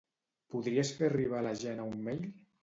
Podries fer arribar a la Jana un mail?